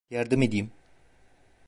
Yardım edeyim.